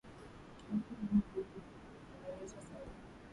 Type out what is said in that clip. Wafungwa wananyanyaswa sana